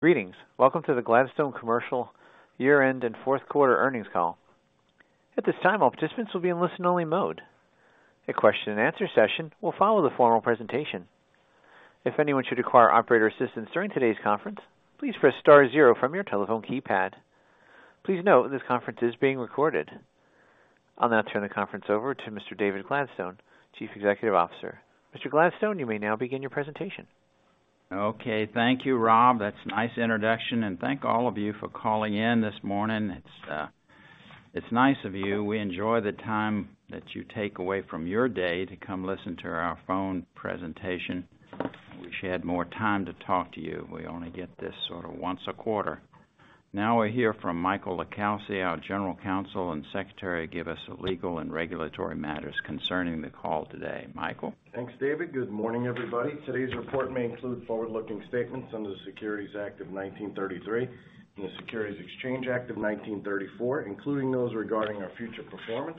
Greetings. Welcome to the Gladstone Commercial year-end and fourth quarter earnings call. At this time, all participants will be in listen-only mode. A question and answer session will follow the formal presentation. If anyone should require operator assistance during today's conference, please press star zero from your telephone keypad. Please note, this conference is being recorded. I'll now turn the conference over to Mr. David Gladstone, Chief Executive Officer. Mr. Gladstone, you may now begin your presentation. Okay. Thank you, Rob. That's a nice introduction, and thank all of you for calling in this morning. It's, it's nice of you. We enjoy the time that you take away from your day to come listen to our phone presentation. I wish I had more time to talk to you. We only get this sort of once a quarter. Now, we'll hear from Michael LiCalsi, our General Counsel and Secretary, give us the legal and regulatory matters concerning the call today. Michael? Thanks, David. Good morning, everybody. Today's report may include forward-looking statements under the Securities Act of 1933 and the Securities Exchange Act of 1934, including those regarding our future performance.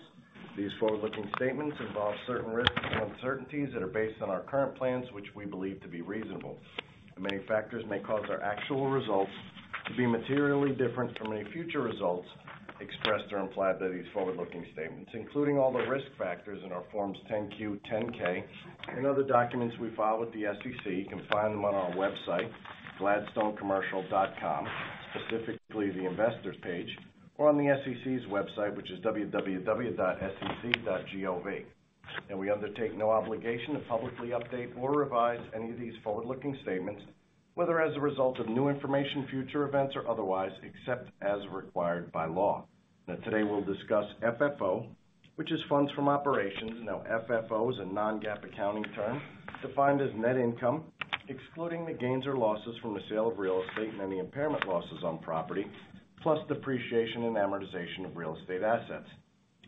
These forward-looking statements involve certain risks and uncertainties that are based on our current plans, which we believe to be reasonable. Many factors may cause our actual results to be materially different from any future results expressed or implied by these forward-looking statements, including all the risk factors in our Forms 10-Q, 10-K, and other documents we file with the SEC. You can find them on our website, gladstonecommercial.com, specifically the Investors page, or on the SEC's website, which is www.sec.gov. We undertake no obligation to publicly update or revise any of these forward-looking statements, whether as a result of new information, future events, or otherwise, except as required by law. Now, today, we'll discuss FFO, which is funds from operations. Now, FFO is a non-GAAP accounting term, defined as net income, excluding the gains or losses from the sale of real estate and any impairment losses on property, plus depreciation and amortization of real estate assets.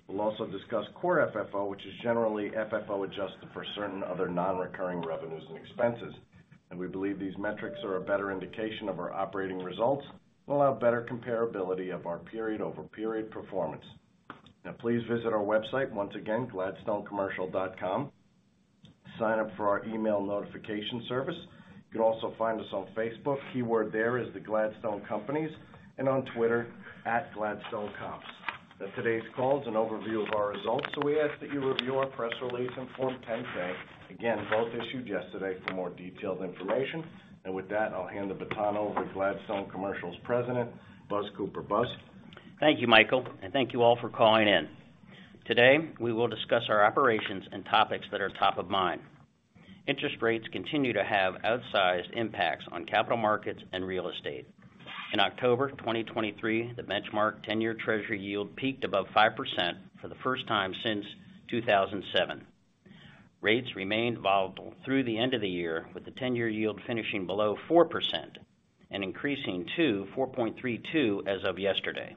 We'll also discuss core FFO, which is generally FFO, adjusted for certain other non-recurring revenues and expenses. And we believe these metrics are a better indication of our operating results, allow better comparability of our period-over-period performance. Now, please visit our website, once again, GladstoneCommercial.com to sign up for our email notification service. You can also find us on Facebook. Keyword there is the Gladstone Companies, and on Twitter, @GladstoneComps. Now, today's call is an overview of our results, so we ask that you review our press release in Form 10-K. Again, both issued yesterday for more detailed information. With that, I'll hand the baton over to Gladstone Commercial's President, Buzz Cooper. Buzz? Thank you, Michael, and thank you all for calling in. Today, we will discuss our operations and topics that are top of mind. Interest rates continue to have outsized impacts on capital markets and real estate. In October 2023, the benchmark 10-year Treasury yield peaked above 5% for the first time since 2007. Rates remained volatile through the end of the year, with the ten-year yield finishing below 4% and increasing to 4.32% as of yesterday.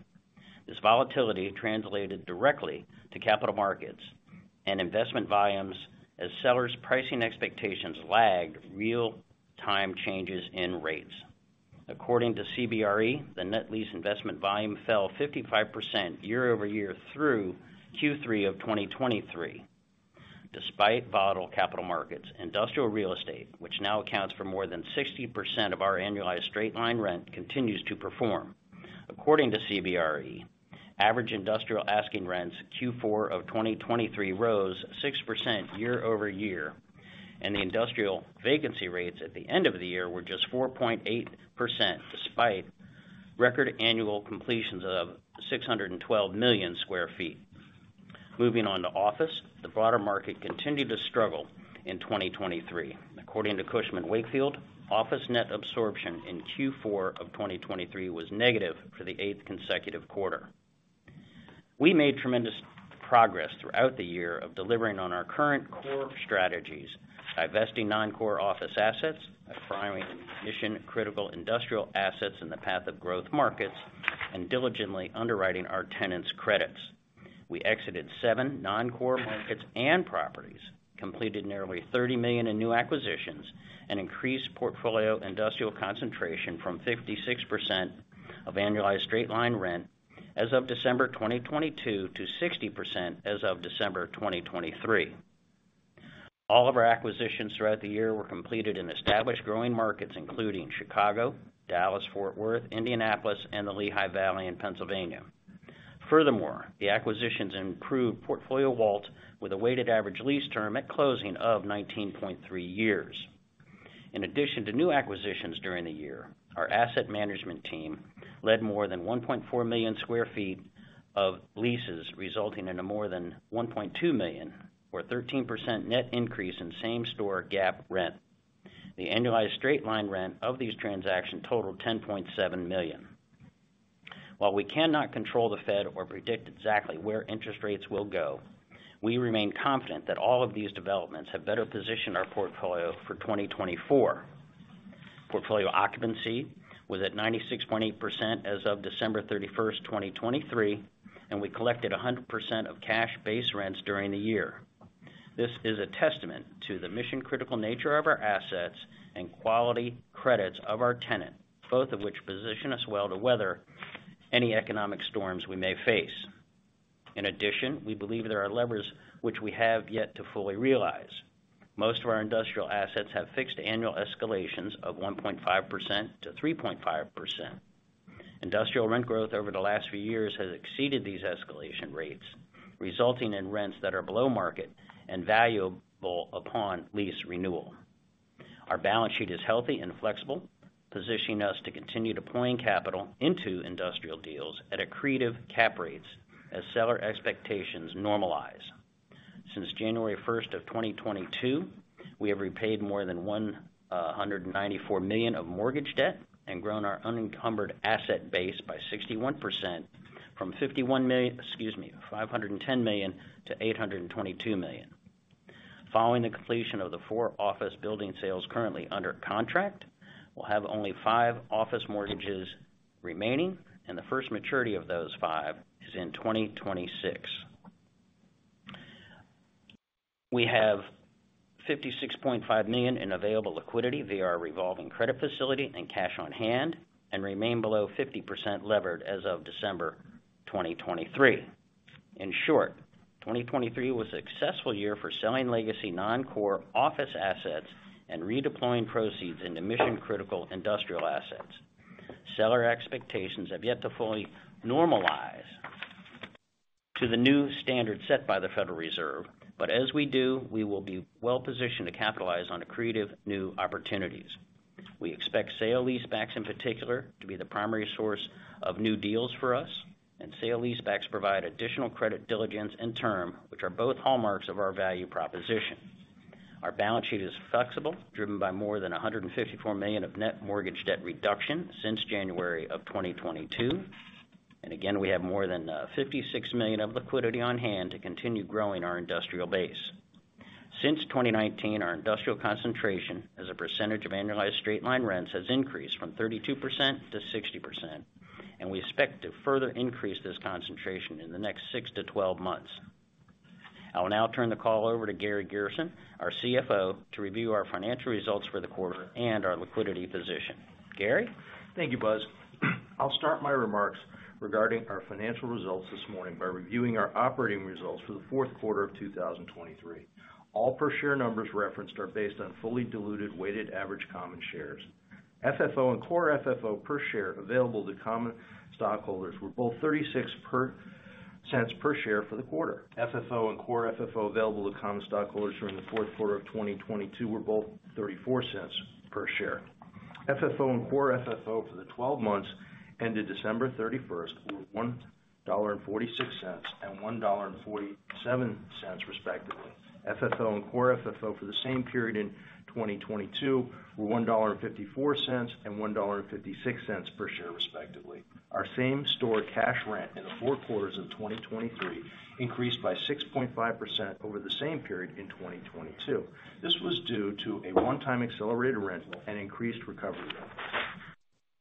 This volatility translated directly to capital markets and investment volumes as sellers' pricing expectations lagged real-time changes in rates. According to CBRE, the net lease investment volume fell 55% year-over-year through Q3 of 2023. Despite volatile capital markets, industrial real estate, which now accounts for more than 60% of our annualized straight-line rent, continues to perform. According to CBRE, average industrial asking rents Q4 of 2023 rose 6% year-over-year, and the industrial vacancy rates at the end of the year were just 4.8%, despite record annual completions of 612 million sq ft. Moving on to office, the broader market continued to struggle in 2023. According to Cushman & Wakefield, office net absorption in Q4 of 2023 was negative for the eighth consecutive quarter. We made tremendous progress throughout the year of delivering on our current core strategies, divesting non-core office assets, acquiring mission-critical industrial assets in the path of growth markets, and diligently underwriting our tenants' credits. We exited seven non-core markets and properties, completed nearly $30 million in new acquisitions, and increased portfolio industrial concentration from 56% of annualized straight-line rent as of December 2022, to 60% as of December 2023. All of our acquisitions throughout the year were completed in established growing markets, including Chicago, Dallas-Fort Worth, Indianapolis, and the Lehigh Valley in Pennsylvania. Furthermore, the acquisitions improved portfolio value with a weighted average lease term at closing of 19.3 years. In addition to new acquisitions during the year, our asset management team led more than 1.4 million sq ft of leases, resulting in a more than $1.2 million, or 13% net increase in same-store GAAP rent. The annualized straight-line rent of these transactions totaled $10.7 million. While we cannot control the Fed or predict exactly where interest rates will go, we remain confident that all of these developments have better positioned our portfolio for 2024. Portfolio occupancy was at 96.8% as of December 31st, 2023, and we collected 100% of cash base rents during the year. This is a testament to the mission-critical nature of our assets and quality credits of our tenant, both of which position us well to weather any economic storms we may face. In addition, we believe there are levers which we have yet to fully realize. Most of our industrial assets have fixed annual escalations of 1.5%-3.5%. Industrial rent growth over the last few years has exceeded these escalation rates, resulting in rents that are below market and valuable upon lease renewal. Our balance sheet is healthy and flexible, positioning us to continue deploying capital into industrial deals at accretive cap rates as seller expectations normalize. Since January first of 2022, we have repaid more than $194 million of mortgage debt and grown our unencumbered asset base by 61% from $51 million—excuse me, $510 million to $822 million. Following the completion of the four office building sales currently under contract, we'll have only five office mortgages remaining, and the first maturity of those five is in 2026. We have $56.5 million in available liquidity via our revolving credit facility and cash on hand, and remain below 50% levered as of December 2023. In short, 2023 was a successful year for selling legacy non-core office assets and redeploying proceeds into mission-critical industrial assets. Seller expectations have yet to fully normalize to the new standard set by the Federal Reserve, but as we do, we will be well-positioned to capitalize on accretive new opportunities. We expect sale-leasebacks, in particular, to be the primary source of new deals for us, and sale-leasebacks provide additional credit, diligence, and term, which are both hallmarks of our value proposition. Our balance sheet is flexible, driven by more than $154 million of net mortgage debt reduction since January of 2022. Again, we have more than $56 million of liquidity on hand to continue growing our industrial base. Since 2019, our industrial concentration as a percentage of annualized straight-line rents has increased from 32% to 60%, and we expect to further increase this concentration in the next six to 12 months. I will now turn the call over to Gary Gerson, our CFO, to review our financial results for the quarter and our liquidity position. Gary? Thank you, Buzz. I'll start my remarks regarding our financial results this morning by reviewing our operating results for the fourth quarter of 2023. All per share numbers referenced are based on fully diluted weighted average common shares. FFO and core FFO per share available to common stockholders were both $0.36 per share for the quarter. FFO and core FFO available to common stockholders during the fourth quarter of 2022 were both $0.34 per share. FFO and core FFO for the 12 months ended December 31 were $1.46 and $1.47, respectively. FFO and core FFO for the same period in 2022 were $1.54 and $1.56 per share, respectively. Our same-store cash rent in the four quarters of 2023 increased by 6.5% over the same period in 2022. This was due to a one-time accelerated rental and increased recovery rate.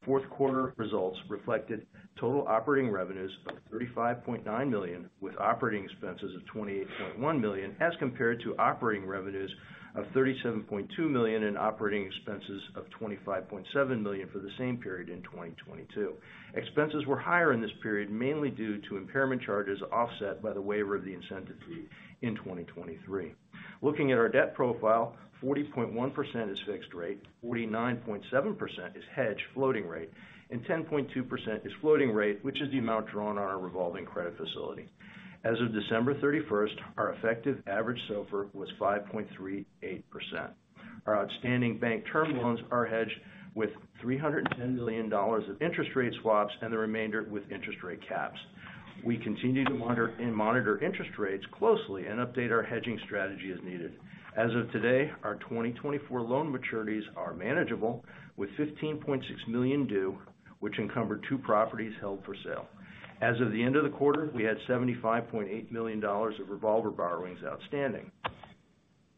Fourth quarter results reflected total operating revenues of $35.9 million, with operating expenses of $28.1 million, as compared to operating revenues of $37.2 million and operating expenses of $25.7 million for the same period in 2022. Expenses were higher in this period, mainly due to impairment charges, offset by the waiver of the incentive fee in 2023. Looking at our debt profile, 40.1% is fixed rate, 49.7% is hedged floating rate, and 10.2% is floating rate, which is the amount drawn on our revolving credit facility. As of December 31st, our effective average SOFR was 5.38%. Our outstanding bank term loans are hedged with $310 million of interest rate swaps and the remainder with interest rate caps. We continue to monitor interest rates closely and update our hedging strategy as needed. As of today, our 2024 loan maturities are manageable, with $15.6 million due, which encumber two properties held for sale. As of the end of the quarter, we had $75.8 million of revolver borrowings outstanding.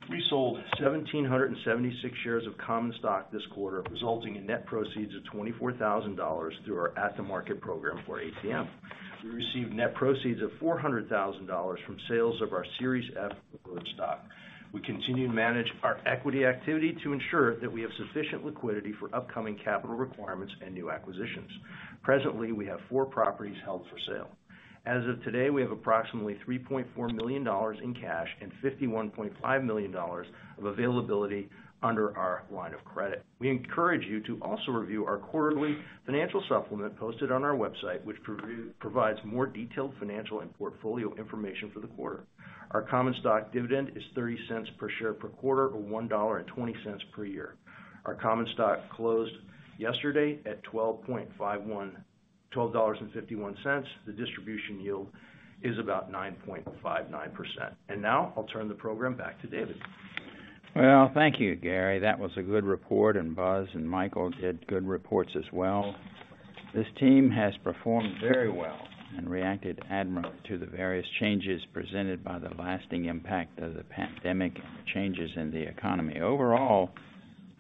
We sold 1,776 shares of common stock this quarter, resulting in net proceeds of $24,000 through our At-the-Market program, or ATM. We received net proceeds of $400,000 from sales of our Series F preferred stock. We continue to manage our equity activity to ensure that we have sufficient liquidity for upcoming capital requirements and new acquisitions. Presently, we have four properties held for sale. As of today, we have approximately $3.4 million in cash and $51.5 million of availability under our line of credit. We encourage you to also review our quarterly financial supplement posted on our website, which provides more detailed financial and portfolio information for the quarter. Our common stock dividend is $0.30 per share per quarter, or $1.20 per year. Our common stock closed yesterday at $12.51. The distribution yield is about 9.59%. Now, I'll turn the program back to David. Well, thank you, Gary. That was a good report, and Buzz and Michael did good reports as well. This team has performed very well and reacted admirably to the various changes presented by the lasting impact of the pandemic and changes in the economy. Overall,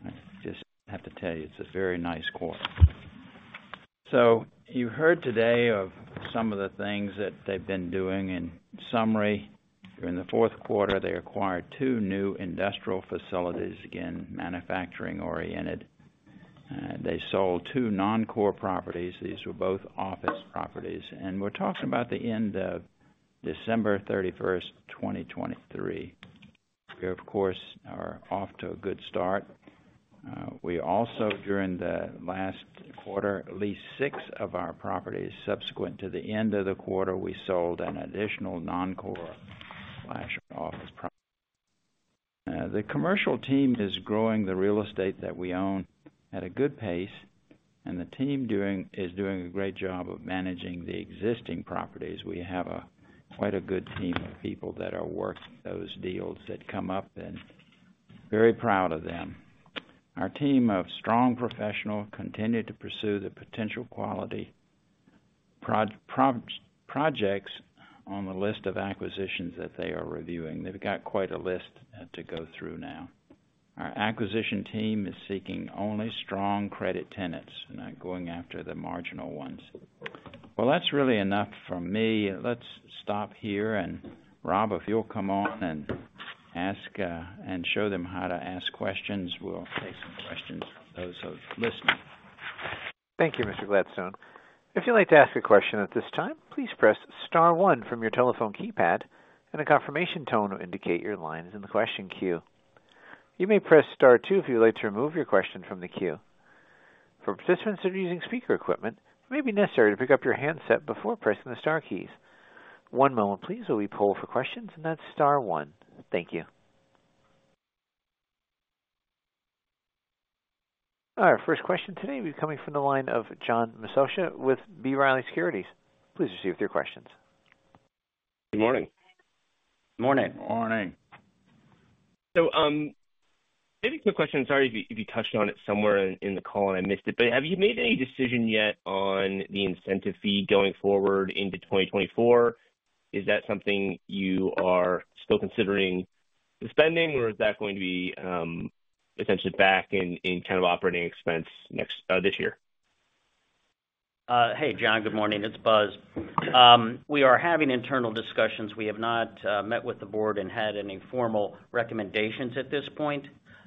I just have to tell you, it's a very nice quarter. So you heard today of some of the things that they've been doing. In summary, during the fourth quarter, they acquired two new industrial facilities, again, manufacturing-oriented. They sold two non-core properties. These were both office properties, and we're talking about the end of December 31, 2023. We, of course, are off to a good start. We also, during the last quarter, leased six of our properties. Subsequent to the end of the quarter, we sold an additional non-core/office property. The commercial team is growing the real estate that we own at a good pace, and the team is doing a great job of managing the existing properties. We have quite a good team of people that are working those deals that come up, and very proud of them. Our team of strong professional continue to pursue the potential quality projects on the list of acquisitions that they are reviewing. They've got quite a list to go through now. Our acquisition team is seeking only strong credit tenants, not going after the marginal ones. Well, that's really enough from me. Let's stop here. And, Rob, if you'll come on and ask, and show them how to ask questions, we'll take some questions from those who are listening. Thank you, Mr. Gladstone. If you'd like to ask a question at this time, please press star one from your telephone keypad, and a confirmation tone will indicate your line is in the question queue. You may press star two if you'd like to remove your question from the queue. For participants that are using speaker equipment, it may be necessary to pick up your handset before pressing the star keys. One moment, please, while we poll for questions, and that's star one. Thank you. Our first question today will be coming from the line of John Massocca with B. Riley Securities. Please proceed with your questions. Good morning. Morning. Morning. So, maybe quick question, sorry, if you, if you touched on it somewhere in the call and I missed it, but have you made any decision yet on the incentive fee going forward into 2024? Is that something you are still considering suspending, or is that going to be, essentially back in, in kind of operating expense next, this year? Hey, John, good morning. It's Buzz. We are having internal discussions. We have not met with the board and had any formal recommendations at this point,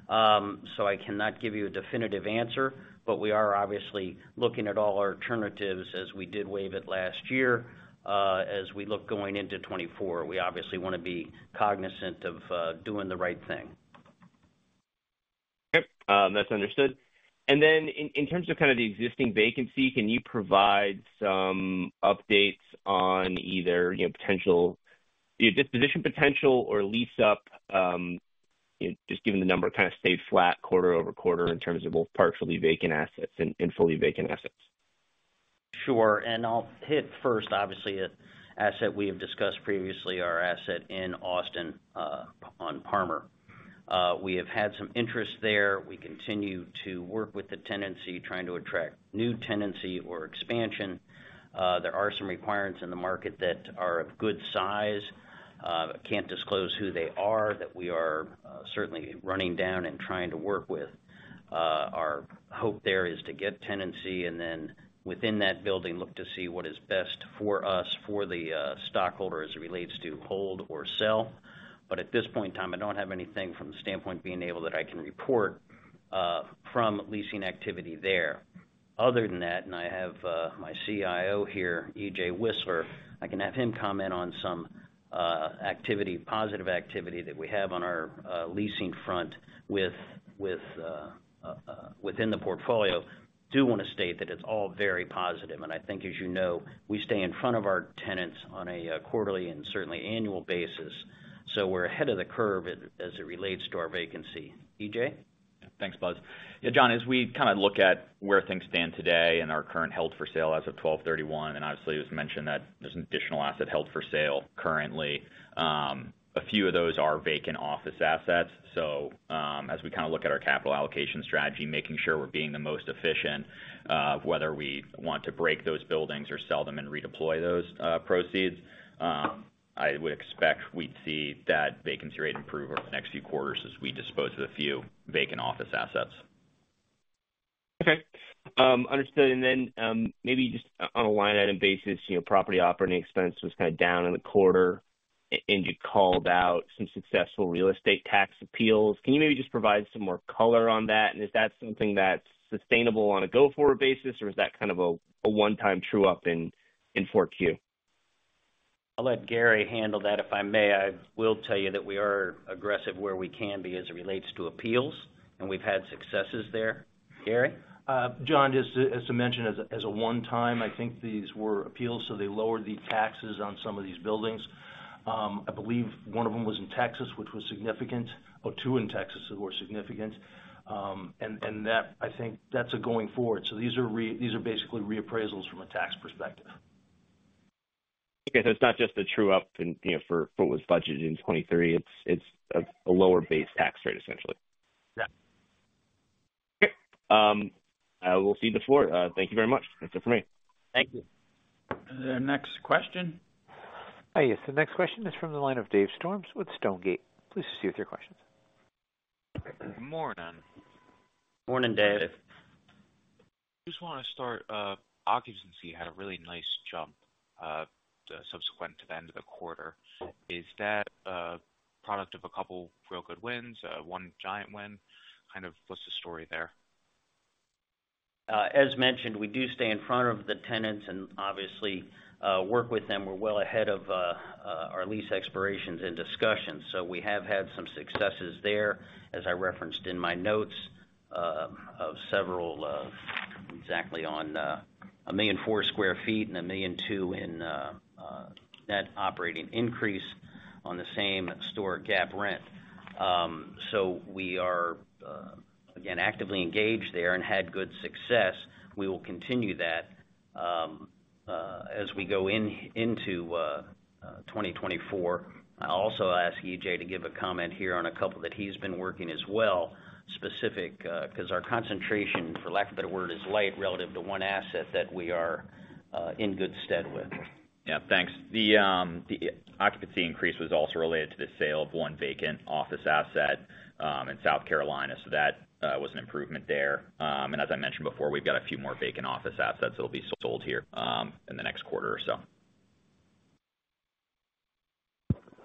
so I cannot give you a definitive answer. But we are obviously looking at all our alternatives, as we did waive it last year. As we look going into 2024, we obviously want to be cognizant of doing the right thing. Okay, that's understood. And then in terms of kind of the existing vacancy, can you provide some updates on either, you know, potential... disposition potential or lease up, you know, just given the number kind of stayed flat quarter over quarter in terms of both partially vacant assets and fully vacant assets? Sure. And I'll hit first, obviously, an asset we have discussed previously, our asset in Austin on Parmer. We have had some interest there. We continue to work with the tenancy, trying to attract new tenancy or expansion. There are some requirements in the market that are of good size, but can't disclose who they are, that we are certainly running down and trying to work with. Our hope there is to get tenancy and then within that building, look to see what is best for us, for the stockholders as it relates to hold or sell. But at this point in time, I don't have anything from the standpoint of being able that I can report from leasing activity there. Other than that, and I have my CIO here, EJ Wislar, I can have him comment on some activity, positive activity that we have on our leasing front with, with within the portfolio. Do want to state that it's all very positive, and I think, as you know, we stay in front of our tenants on a quarterly and certainly annual basis, so we're ahead of the curve as, as it relates to our vacancy. EJ? Thanks, Buzz. Yeah, John, as we kind of look at where things stand today and our current held-for-sale as of 12/31, and obviously it was mentioned that there's an additional asset held for sale currently. A few of those are vacant office assets. So, as we kind of look at our capital allocation strategy, making sure we're being the most efficient, whether we want to break those buildings or sell them and redeploy those proceeds, I would expect we'd see that vacancy rate improve over the next few quarters as we dispose of a few vacant office assets. Okay, understood. And then, maybe just on a line item basis, you know, property operating expense was kind of down in the quarter, and you called out some successful real estate tax appeals. Can you maybe just provide some more color on that? And is that something that's sustainable on a go-forward basis, or is that kind of a one-time true up in Q4? I'll let Gary handle that. If I may, I will tell you that we are aggressive where we can be as it relates to appeals, and we've had successes there. Gary? John, just to mention, as a one time, I think these were appeals, so they lowered the taxes on some of these buildings. I believe one of them was in Texas, which was significant, or two in Texas that were significant. And that-- I think that's going forward. So these are basically reappraisals from a tax perspective. Okay, so it's not just a true up and, you know, for what was budgeted in 2023, it's a lower base tax rate, essentially? Yeah. Okay. I will cede the floor. Thank you very much. That's it for me. Thank you. The next question? Hi, yes. The next question is from the line of Dave Storms with Stonegate. Please proceed with your questions. Good morning. Morning, Dave.... Just want to start, occupancy had a really nice jump, subsequent to the end of the quarter. Is that, product of a couple real good wins, one giant win? Kind of what's the story there? As mentioned, we do stay in front of the tenants and obviously work with them. We're well ahead of our lease expirations in discussions, so we have had some successes there, as I referenced in my notes of several exactly on 1.4 million sq ft and 1.2 million in net operating increase on the same-store GAAP rent. So we are again actively engaged there and had good success. We will continue that as we go into 2024. I'll also ask EJ to give a comment here on a couple that he's been working as well, specific because our concentration, for lack of a better word, is light relative to one asset that we are in good stead with. Yeah, thanks. The occupancy increase was also related to the sale of one vacant office asset in South Carolina. So that was an improvement there. And as I mentioned before, we've got a few more vacant office assets that'll be sold here in the next quarter or so.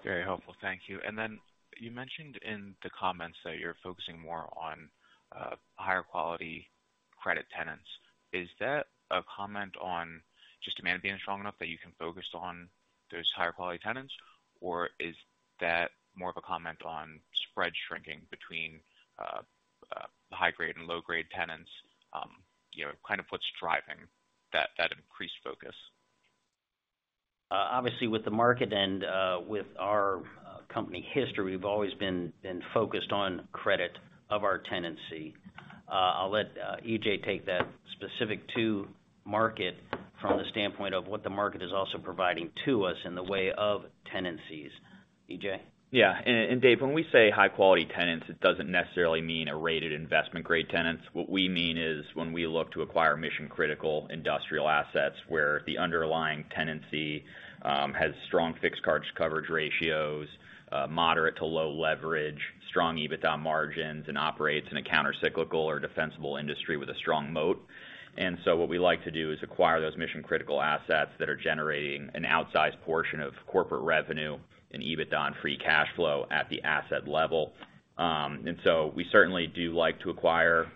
Very helpful. Thank you. And then you mentioned in the comments that you're focusing more on higher quality credit tenants. Is that a comment on just demand being strong enough that you can focus on those higher quality tenants? Or is that more of a comment on spread shrinking between the high-grade and low-grade tenants? You know, kind of what's driving that increased focus? Obviously, with the market and with our company history, we've always been focused on credit of our tenancy. I'll let EJ take that specific to market from the standpoint of what the market is also providing to us in the way of tenancies. EJ? Yeah, and Dave, when we say high-quality tenants, it doesn't necessarily mean a rated investment-grade tenants. What we mean is when we look to acquire mission-critical industrial assets, where the underlying tenancy has strong fixed charge coverage ratios, moderate to low leverage, strong EBITDA margins, and operates in a countercyclical or defensible industry with a strong moat. And so what we like to do is acquire those mission-critical assets that are generating an outsized portion of corporate revenue and EBITDA and free cash flow at the asset level. And so we certainly do like to acquire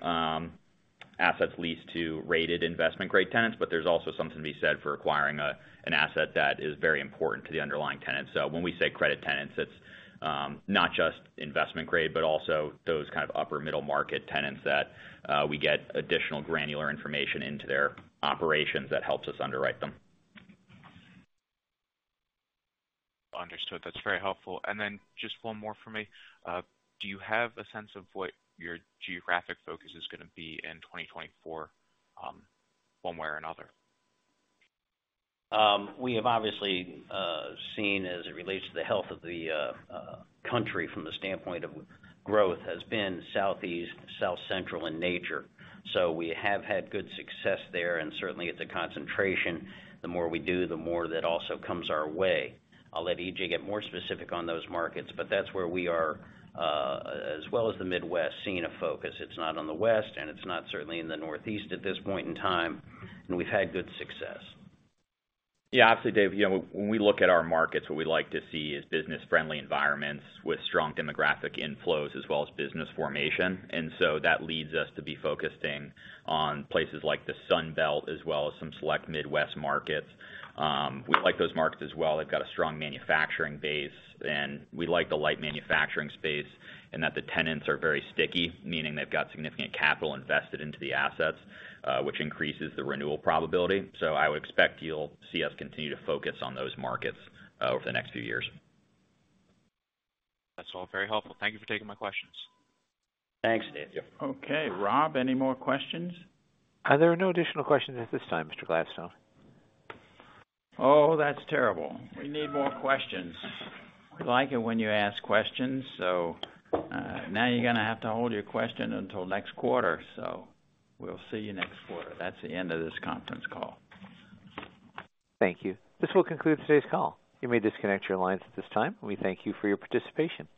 assets leased to rated investment-grade tenants, but there's also something to be said for acquiring a, an asset that is very important to the underlying tenant. So when we say credit tenants, it's not just investment grade, but also those kind of upper middle market tenants that we get additional granular information into their operations that helps us underwrite them. Understood. That's very helpful. And then just one more for me. Do you have a sense of what your geographic focus is going to be in 2024, one way or another? We have obviously seen as it relates to the health of the country from the standpoint of growth, has been Southeast, South Central in nature. So we have had good success there and certainly at the concentration, the more we do, the more that also comes our way. I'll let EJ get more specific on those markets, but that's where we are, as well as the Midwest, seeing a focus. It's not on the West, and it's not certainly in the Northeast at this point in time, and we've had good success. Yeah, obviously, Dave, you know, when we look at our markets, what we like to see is business-friendly environments with strong demographic inflows as well as business formation. And so that leads us to be focusing on places like the Sun Belt as well as some select Midwest markets. We like those markets as well. They've got a strong manufacturing base, and we like the light manufacturing space, and that the tenants are very sticky, meaning they've got significant capital invested into the assets, which increases the renewal probability. So I would expect you'll see us continue to focus on those markets, over the next few years. That's all very helpful. Thank you for taking my questions. Thanks, Dave. Yeah. Okay, Rob, any more questions? There are no additional questions at this time, Mr. Gladstone. Oh, that's terrible. We need more questions. We like it when you ask questions, so now you're gonna have to hold your question until next quarter. So we'll see you next quarter. That's the end of this conference call. Thank you. This will conclude today's call. You may disconnect your lines at this time, and we thank you for your participation.